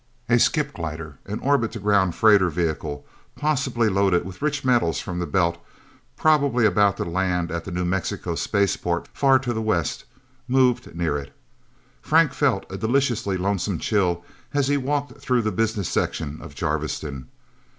A skip glider, an orbit to ground freight vehicle, possibly loaded with rich metals from the Belt, probably about to land at the New Mexico spaceport far to the west, moved near it. Frank felt a deliciously lonesome chill as he walked through the business section of Jarviston.